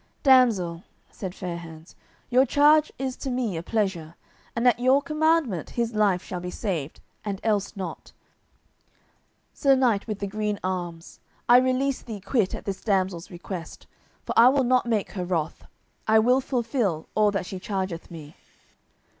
"Damsel," said Fair hands, "your charge is to me a pleasure, and at your commandment his life shall be saved, and else not. Sir Knight with the green arms, I release thee quit at this damsel's request, for I will not make her wroth; I will fulfil all that she chargeth me."